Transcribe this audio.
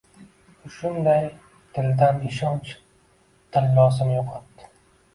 U shunday dildan ishonch — tillosini yo‘qotdi